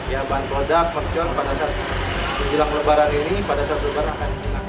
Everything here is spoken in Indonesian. ya bantulah mercon pada saat menjelang lebaran ini pada saat lebaran